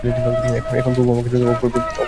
এখন প্রভু আমাকে অপর পারে নিয়ে চলুন।